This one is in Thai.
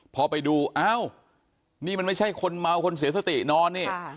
พอไปดูอ้าวนี่มันไม่ใช่คนเมาคนเสียสตินอนนี่